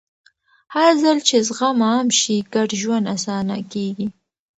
هرځل چې زغم عام شي، ګډ ژوند اسانه کېږي.